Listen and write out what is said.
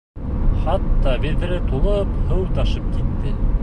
Хатта биҙрә тулып һыу ташып китте.